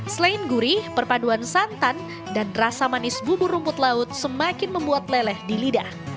selain gurih perpaduan santan dan rasa manis bubur rumput laut semakin membuat leleh di lidah